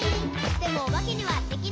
「でもおばけにはできない」